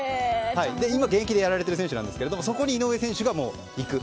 今現役でやられている選手なんですがそこに井上選手が行く。